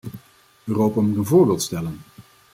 Europa moet een voorbeeld stellen.